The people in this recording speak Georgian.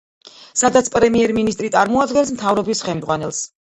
სადაც პრემიერ-მინისტრი წარმოადგენს მთავრობის ხელმძღვანელს.